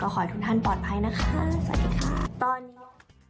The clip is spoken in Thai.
ขอให้ทุกท่านปลอดภัยนะคะสวัสดีค่ะตอนนี้